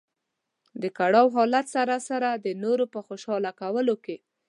د کړاو حالت سره سره د نورو په خوشاله کولو کې.